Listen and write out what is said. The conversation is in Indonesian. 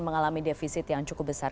mengalami defisit yang cukup besar